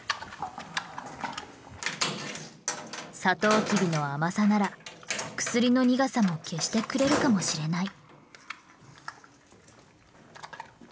サトウキビの甘さなら薬の苦さも消してくれるかもしれない。